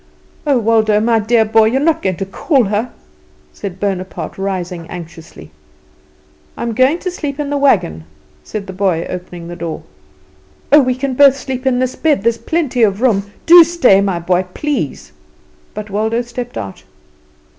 "Oh, Waldo, my dear boy, you are not going to call her," said Bonaparte, rising anxiously. "I am going to sleep in the wagon," said the boy, opening the door. "Oh, we can both sleep in this bed; there's plenty of room. Do stay, my boy, please." But Waldo stepped out.